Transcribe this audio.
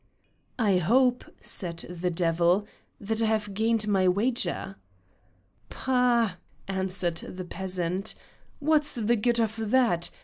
"I hope," said the devil, "that I have gained my wager." "Bah," answered the peasant, "what's the good of that?